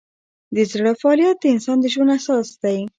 د زړه فعالیت د انسان د ژوند اساس دی.